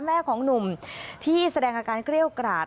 แม่ของหนุ่มที่แสดงอาการเกรี้ยวกราด